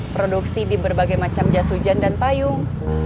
produksi di berbagai macam jas hujan dan payung